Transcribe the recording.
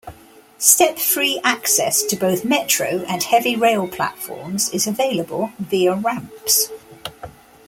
Step-free access to both Metro and heavy rail platforms is available via ramps.